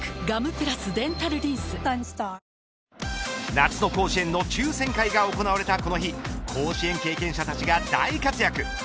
夏の甲子園の抽選会が行われたこの日甲子園経験者たちが大活躍。